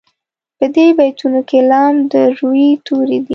په دې بیتونو کې لام د روي توری دی.